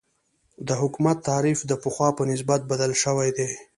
د حکومت تعریف د پخوا په نسبت بدل شوی دی.